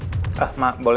sekarang sama krijgen supaya